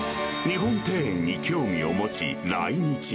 日本庭園に興味を持ち、来日。